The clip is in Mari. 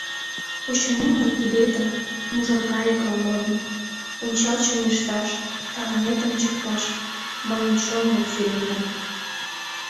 Кучынем лай кидетым, Мужыр кайыкла модын, Ончал чоҥешташ, Тыланет ончыкташ Мыйын чонло сӱретым.